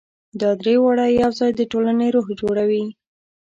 دا درې واړه یو ځای د ټولنې روح جوړوي.